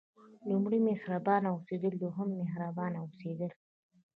لومړی مهربانه اوسېدل دوهم مهربانه اوسېدل.